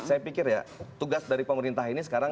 saya pikir ya tugas dari pemerintah ini sekarang